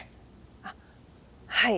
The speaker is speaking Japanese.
あっはい。